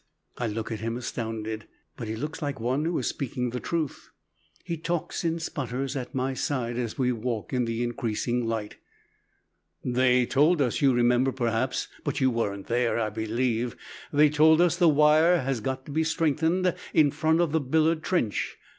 I look at him, astounded. But he looks like one who is speaking the truth. He talks in sputters at my side, as we walk in the increasing light "They told us you remember, perhaps but you weren't there, I believe they told us the wire had got to be strengthened in front of the Billard Trench.